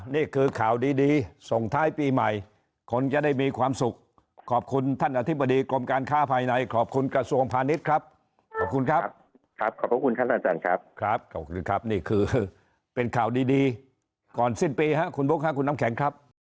นี่คือข่าวดีส่งท้ายปีใหม่คนจะได้มีความสุขขอบคุณท่านอธิบดีกรมการค้าภายในขอบคุณกระทรวงพาณิชย์ครับขอบคุณครับครับขอบคุณครับอาจารย์ครับครับขอบคุณครับนี่คือเป็นข่าวดีก่อนสิ้นปีครับคุณบุ๊คครับคุณน้ำแข็งครับ